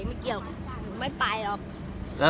สวัสดีครับคุณพลาด